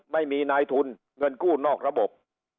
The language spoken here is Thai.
ไม่มีนายทุนเงินกู้นอกระบบ